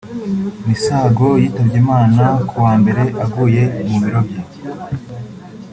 Misago yitabye Imana ku wa mbere aguye mu biro bye